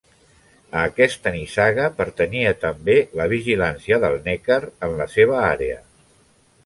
A aquesta nissaga pertanyia també la vigilància del Neckar en la seva àrea.